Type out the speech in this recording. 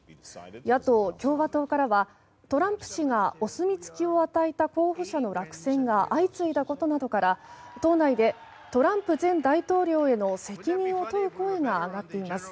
野党・共和党からはトランプ氏がお墨付きを与えた候補者の落選が相次いだことなどから党内で、トランプ前大統領への責任を問う声が上がっています。